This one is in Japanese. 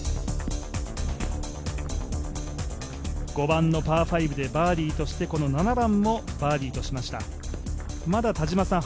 ５番のパー５でバーディーとしてこの７番もバーディーとしました。